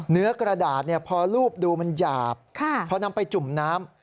เนื้อกระดาษพอรูปดูมันหยาบพอนำไปจุ่มน้ำ